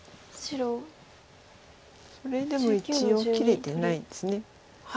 それでも一応切れてないです。